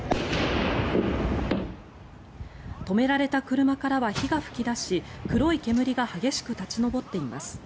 止められた車からは火が噴き出し黒い煙が激しく立ち上っています。